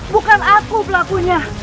bukan aku pelakunya